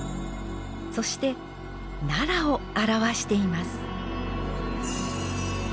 そして奈良を表しています。